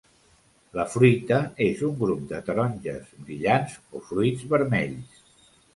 La fruita és un grup de taronges brillants o fruits vermells.